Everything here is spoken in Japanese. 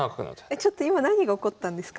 えちょっと今何が起こったんですか？